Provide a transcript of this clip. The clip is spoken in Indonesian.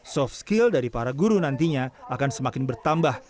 soft skill dari para guru nantinya akan semakin bertambah